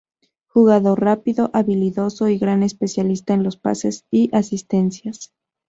Jugador rápido, habilidoso y gran especialista en los pases y asistencias.